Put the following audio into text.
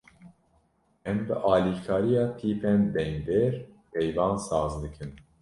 Em bi alîkariya tîpên dengdêr peyvan saz dikin.